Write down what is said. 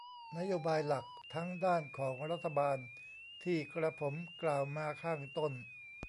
นโยบายหลักทั้งด้านของรัฐบาลที่กระผมกล่าวมาข้างต้น